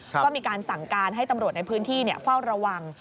ก็มีการสั่งการให้ตำรวจในพื้นที่เฝ้าระวัง